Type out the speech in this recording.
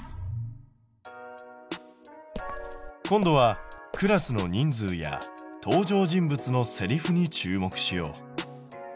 今度はクラスの人数や登場人物のセリフに注目しよう。